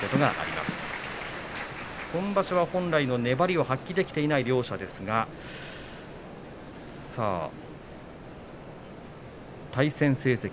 今場所は本来の粘りが発揮できていない両者ですが対戦成績、